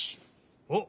おっ！